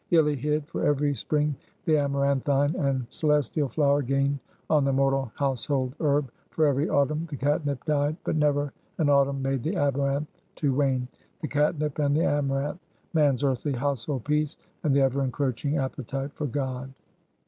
Illy hid; for every spring the amaranthine and celestial flower gained on the mortal household herb; for every autumn the catnip died, but never an autumn made the amaranth to wane. The catnip and the amaranth! man's earthly household peace, and the ever encroaching appetite for God.